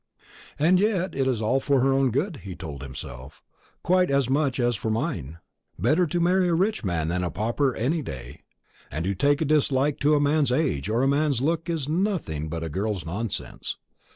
"And yet it's all for her own good," he told himself, "quite as much as for mine. Better to marry a rich man than a pauper any day; and to take a dislike to a man's age or a man's looks is nothing but a girl's nonsense.